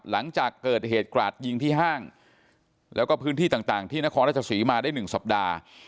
หลังจากเกิดเหตุกราดยิงที่ห้างแล้วก็พื้นที่ต่างที่นครราชศรีมาได้๑สัปดาห์